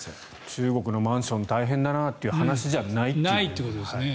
中国のマンション大変だなという話ではないということですね。